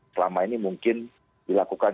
selama ini mungkin dilakukan